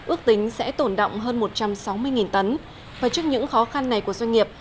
ước tính sẽ tổn động hơn một trăm sáu mươi tấn và trước những khó khăn này của doanh nghiệp